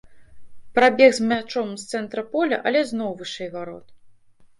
Прабег з мячом з цэнтра поля, але зноў вышэй варот.